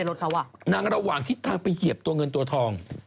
นางระหว่างที่ทางไปเหยียบตัวเงินตัวทอง